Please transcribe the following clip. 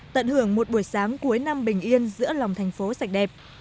tận hưởng một buổi sáng cuối năm bình yên giữa lòng thành phố sạch đẹp